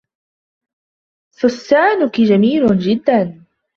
فستانك جميل جدا.